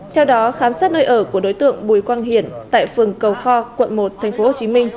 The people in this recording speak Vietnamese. theo đó khám xét nơi ở của đối tượng bùi quang hiển tại phường cầu kho quận một tp hcm